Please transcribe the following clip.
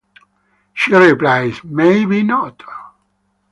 She replies, Maybe not.